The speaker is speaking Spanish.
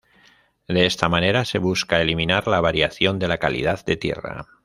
De esta manera se busca eliminar la variación de la calidad de tierra.